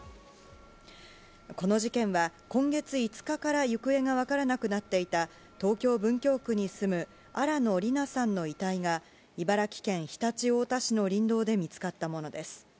この事件は、今月５日から行方が分からなくなっていた、東京・文京区に住む新野りなさんの遺体が、茨城県常陸太田市の林道で見つかったものです。